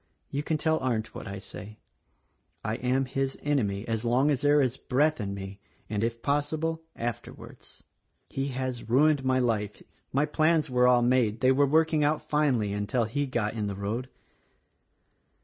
"You can tell Arndt what I say: I am his enemy as long as there is breath in me — and, if possible, afterwards. "He has ruined my life. My plans were all made — they were working out finely until he got in the road.